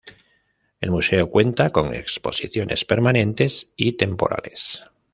El museo cuenta con exposiciones permanentes y temporales.